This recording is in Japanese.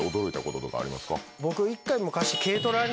僕一回昔。